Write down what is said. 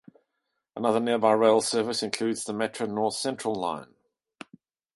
Other nearby rail service includes the Metra North Central Line.